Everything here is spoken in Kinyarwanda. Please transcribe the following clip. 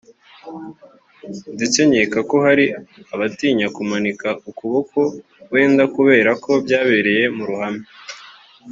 ndetse nkeka ko hari n’abatinyaga kumanika ukuboko wenda kubera ko byabereye mu ruhame